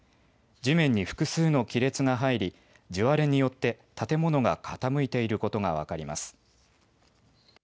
地面に複数の亀裂が入り地割れによって建物が傾いていることが分かります。